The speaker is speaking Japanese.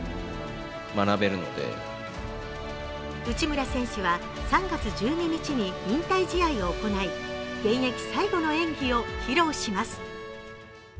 内村選手は３月１２日に引退試合を行い現役最後の演技を披露します。